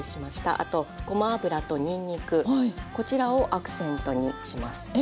あとごま油とにんにくこちらをアクセントにします。